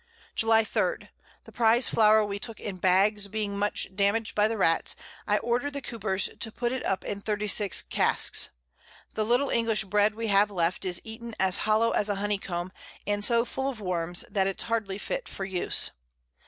July 3. The Prize Flower we took in Bags being much damag'd by the Rats, I order'd the Coopers to put it up in 36 Casks: The little English Bread we have left is eaten as hollow as a Honeycomb, and so full of Worms, that it's hardly fit for Use.